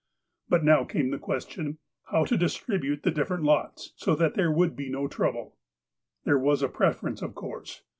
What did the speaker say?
But now came the question, how to distribute the dif ferent lots, so that there should be no trouble. There was a preference, of course.